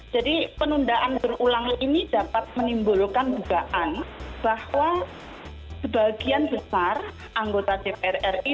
jadi penundaan berulang ini dapat menimbulkan bukaan bahwa sebagian besar anggota dpr ri